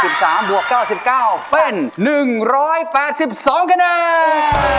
๘๓บวก๙๙เป็น๑๘๒คะแนน